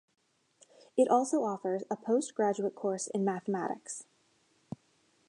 It also offers a post-graduate course in Mathematics.